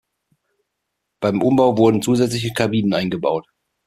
Beim Umbau wurden zusätzliche Kabinen eingebaut.